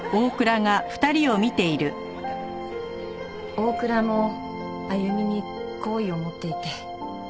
大倉もあゆみに好意を持っていて。